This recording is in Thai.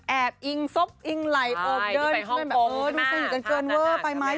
แอบอิงซบอิงไหลอบเดินดูสนิทกันเกินเวอร์ไปไหม